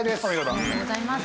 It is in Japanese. ありがとうございます。